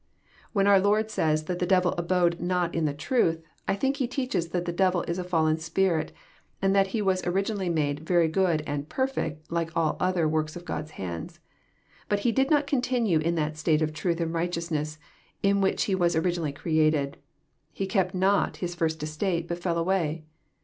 When our Lord says that the *' devil abode not In the truth," I think He teaches that the devil is a fallen spirit, and that he was originally made very good and *' perfect," like all other worjks of God*s hands. But he did not continue in that state of truth and righteousness in which he was originally created. He kept not his first estate, but fell away.